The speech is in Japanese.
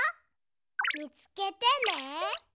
みつけてね。